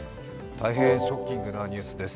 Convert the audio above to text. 大変ショッキングなニュースです。